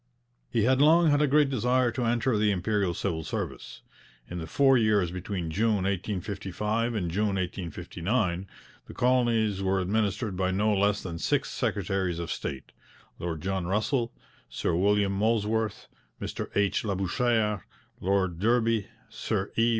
He had long had a great desire to enter the Imperial civil service. In the four years between June 1855 and June 1859 the colonies were administered by no less than six secretaries of state: Lord John Russell, Sir William Molesworth, Mr H. Labouchere, Lord Derby, Sir E.